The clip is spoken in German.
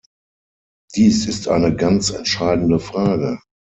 Dies ist eine ganz entscheidende Frage.